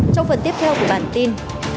trong phần tiếp theo của bản tin